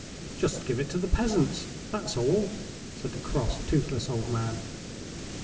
"Just give it to the peasants, that's all," said the cross, toothless old man.